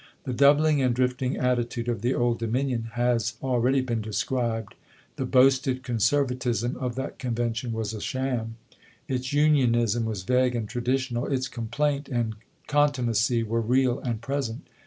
The doubling and drifting attitude of the Old Dominion has ah eady been described. The boasted conservatism of that convention was a sham. Its Unionism was vague and traditional; its complaint and contumacy were real and present.